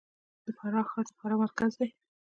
د فراه ښار د فراه مرکز دی